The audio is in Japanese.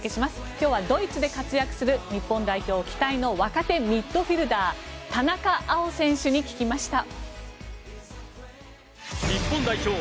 今日はドイツで活躍する日本代表期待の若手ミッドフィールダー田中碧選手に聞きました。